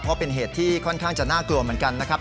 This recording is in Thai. เพราะเป็นเหตุที่ค่อนข้างจะน่ากลัวเหมือนกันนะครับ